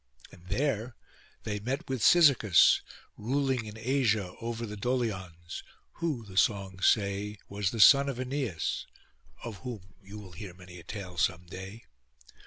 And there they met with Cyzicus, ruling in Asia over the Dolions, who, the songs say, was the son of Æneas, of whom you will hear many a tale some day.